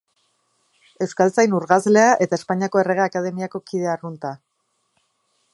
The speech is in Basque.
Euskaltzain urgazlea eta Espainiako Errege Akademiako kide arrunta.